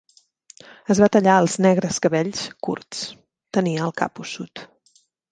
Es va tallar els negres cabells curts, tenia el cap ossut.